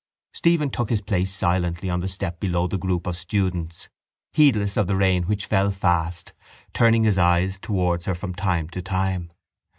Stephen took his place silently on the step below the group of students, heedless of the rain which fell fast, turning his eyes towards her from time to time.